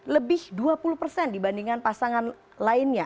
lebih dua puluh persen dibandingkan pasangan lainnya